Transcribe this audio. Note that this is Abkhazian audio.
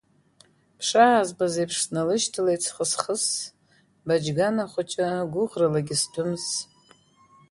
Бшаазбаз еиԥш сналышьҭалеит схысхыс, Баџьгана хәыҷы гәыӷралагьы сҭәымыз.